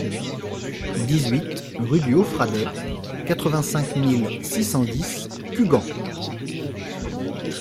dix rue du Haut Fradet, quatre-vingt-cinq mille six cent dix Cugand